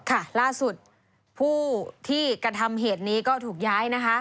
ค่ะล่าสุดผู้ที่กระทำเหตุนี้ก็ถูกย้ายนะคะ